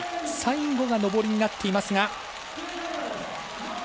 最後が上りになっていますが。